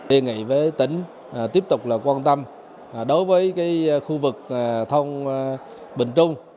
đề nghị với tỉnh tiếp tục là quan tâm đối với cái khu vực thôn bình trung